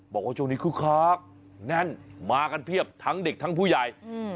บอกว่าช่วงนี้คึกคักแน่นมากันเพียบทั้งเด็กทั้งผู้ใหญ่